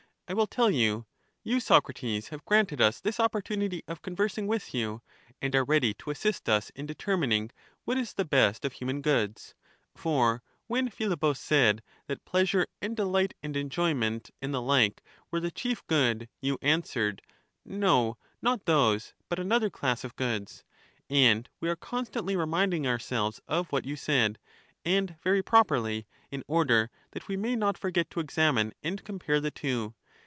I will tell you. You, Socrates, have granted us this opportunity of conversing with you, and are ready to assist us in determining what is the best of human goods. For when Philebus said that pleasure and delight and enjoyment and the like were the chief good, you answered — No, not those, but another class of goods ; and we are constantly reminding ourselves of what you said, and very properly, in order that we may not forget to examine and compare the two.